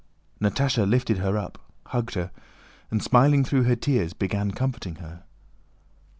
Natásha lifted her up, hugged her, and, smiling through her tears, began comforting her.